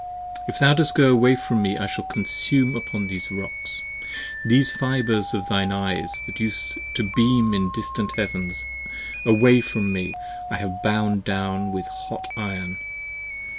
If thou dost go away from me I shall consume upon these Rocks. These fibres of thine eyes that used to beam in distant heavens, Away from me, I have bound down with a hot iron.